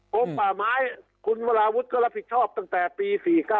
ลมป่าไม้คุณวราวุฒิก็รับผิดชอบตั้งแต่ปี๔๙